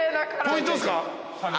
ポイントですか？